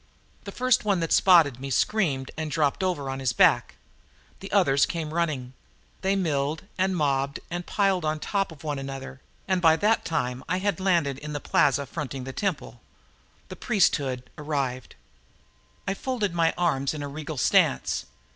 The first one that spotted me screamed and dropped over on his back. The others came running. They milled and mobbed and piled on top of one another, and by that time I had landed in the plaza fronting the temple. The priesthood arrived. I folded my arms in a regal stance.